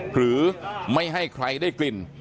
หรือไม่ให้ใครได้กลิ่น